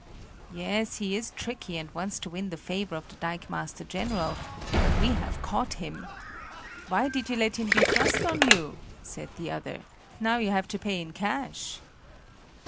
"Yes, he is tricky and wants to win the favor of the dikemaster general; but we have caught him!" "Why did you let him be thrust on you?" said the other; "now you have to pay in cash."